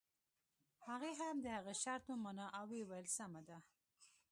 هغې هم د هغه شرط ومانه او ويې ويل سمه ده.